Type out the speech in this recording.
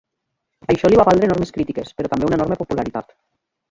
Això li va valdre enormes crítiques, però també una enorme popularitat.